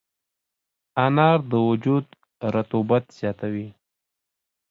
انار د وجود رطوبت زیاتوي.